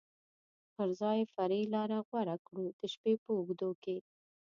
پر ځای فرعي لارې غوره کړو، د شپې په اوږدو کې.